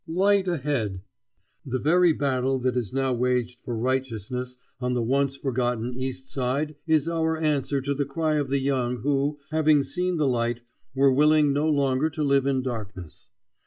Light ahead! The very battle that is now waged for righteousness on the once forgotten East Side is our answer to the cry of the young who, having seen the light, were willing no longer to live in darkness.